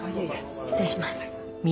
失礼します。